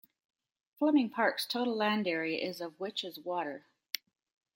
Fleming Park's total land area is of which is water.